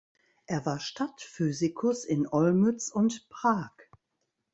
Er war Stadtphysicus in Olmütz und Prag.